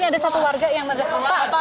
ini ada satu warga yang